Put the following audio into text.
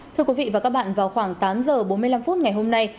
thưa quý vị và các bạn vào khoảng tám giờ bốn mươi năm phút ngày hôm nay